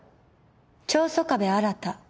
長曾我部新。